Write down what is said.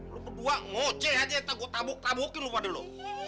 lo berdua ngoceh aja gue tabuk tabukin lo pada lo